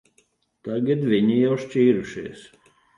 Tagad viņi jau šķīrušies.